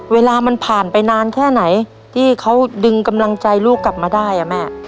เวลามันผ่านไปนานแค่ไหนที่เขาดึงกำลังใจลูกกลับมาได้อ่ะแม่